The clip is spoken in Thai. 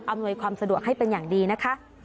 อำนวยความสะดวกให้เป็นอย่างดีนะคะ